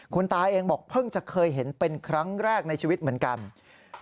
คุณตาเองบอกเพิ่งจะเคยเห็นเป็นครั้งแรกในชีวิตเหมือนกัน